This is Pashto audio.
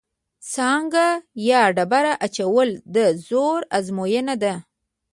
سانګه یا ډبره اچول د زور ازموینه ده.